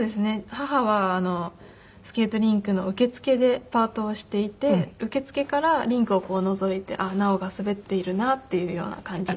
母はスケートリンクの受付でパートをしていて受付からリンクをのぞいて奈緒が滑っているなっていうような感じで。